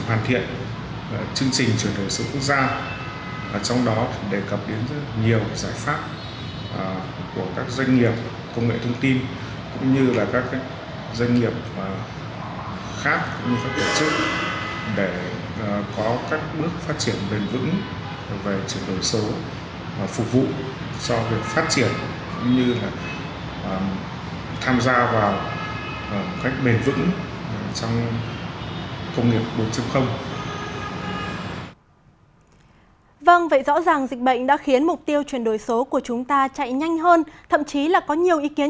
hoàn thiện chương trình chuyển đổi số quốc gia trong đó đề cập đến rất nhiều giải pháp của các doanh nghiệp công nghệ thông tin